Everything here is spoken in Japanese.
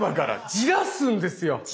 じらすんですよ。